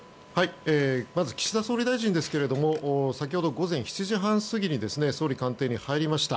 まず岸田総理大臣ですが先ほど午前７時半過ぎに総理官邸に入りました。